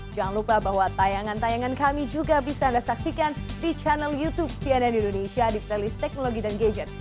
jangan lupa bahwa tayangan tayangan kami juga bisa anda saksikan di channel youtube cnn indonesia di playlist teknologi dan gadget